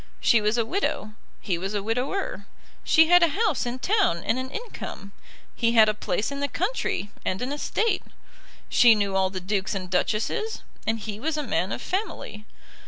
She was a widow; he was a widower. She had a house in town and an income. He had a place in the country and an estate. She knew all the dukes and duchesses, and he was a man of family.